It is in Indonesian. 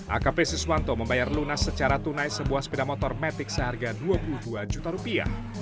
akp siswanto membayar lunas secara tunai sebuah sepeda motor metik seharga dua puluh dua juta rupiah